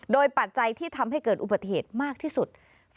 โดยปัจจัยที่ทำให้เกิดอุบัติเหตุมากที่สุด